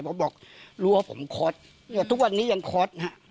เพราะบอกรั้วผมคดทุกวันนี้ยังคด